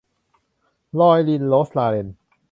รอยอินทร์ - โรสลาเรน